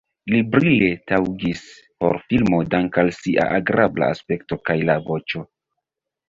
Li brile taŭgis por filmo dank‘ al sia agrabla aspekto kaj la voĉo.